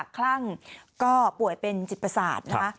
คลั่งก็ป่วยเป็นจิตประสาทนะคะ